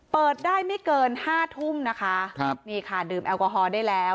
เปิดได้ไม่เกินห้าทุ่มนะคะครับนี่ค่ะดื่มแอลกอฮอล์ได้แล้ว